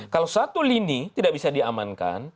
kalau satu lini tidak bisa diamankan